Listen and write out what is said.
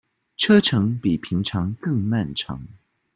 車程比平常更漫長